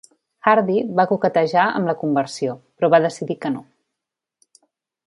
Hardy va coquetejar amb la conversió, però va decidir que no.